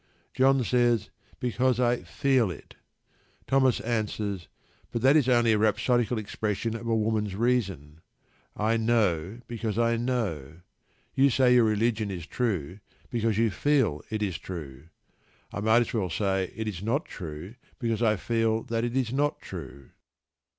John says: "Because I feel it." Thomas answers: "But that is only a rhapsodical expression of a woman's reason: 'I know because I know.' You say your religion is true because you feel it is true. I might as well say it is not true because I feel that it is not true."